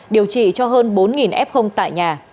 điều trị cho hơn bốn f tại nhà